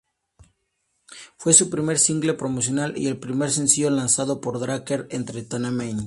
Fue su primer single promocional y el primer sencillo lanzado por Drakkar Entertainment.